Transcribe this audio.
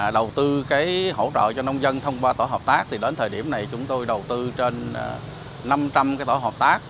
đầu tư hỗ trợ cho nông dân thông qua tổ hợp tác thì đến thời điểm này chúng tôi đầu tư trên năm trăm linh tổ hợp tác